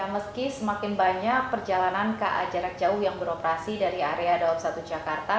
meski semakin banyak perjalanan ka jarak jauh yang beroperasi dari area dawab satu jakarta